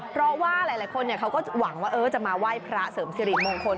เพราะว่าหลายคนเขาก็หวังว่าจะมาไหว้พระเสริมสิริมงคล